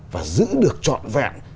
và giữ được trọn vẹn